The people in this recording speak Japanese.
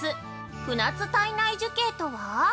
船津胎内樹型とは。